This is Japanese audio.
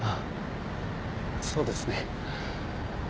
そうですね。